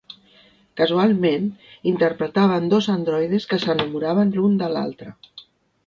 Casualment, interpretaven dos androides que s'enamoraven l'un de l'altre.